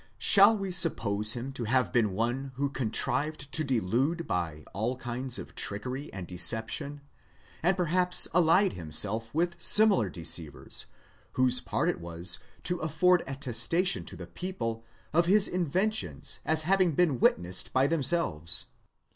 Shall we suppose him to have been one who contrived to delude by all kinds of trickery and deception, and perhaps allied himself with similar deceivers, whose part it was to afford attestation to the people of his inventions as having been witnessed by themselves?